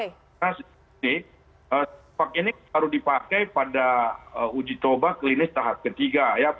karena sinovac ini harus dipakai pada uji toba klinis tahap ketiga ya